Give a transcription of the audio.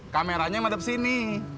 kami pamit dulu ya